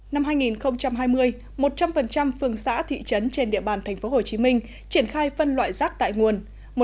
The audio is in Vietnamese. năm hai nghìn hai mươi một trăm linh phường xã thị trấn trên địa bàn tp hcm triển khai phân loại rác tại nguồn